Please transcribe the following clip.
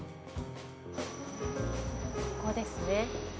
ここですね。